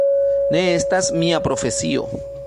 Ne estas mia profesio.